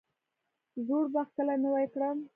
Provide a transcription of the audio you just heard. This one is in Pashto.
زوړ باغ کله نوی کړم؟